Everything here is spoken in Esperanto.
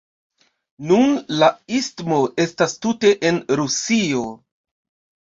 Nun la istmo estas tute en Rusio.